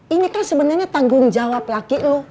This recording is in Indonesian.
ini kan sebenernya tanggung jawab laki lo